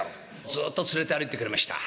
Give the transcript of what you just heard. ずっと連れて歩いてくれました。